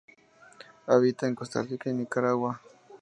Habita en Costa Rica y Nicaragua.